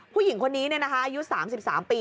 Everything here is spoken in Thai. ผู้หญิงคนนี้อายุ๓๓ปี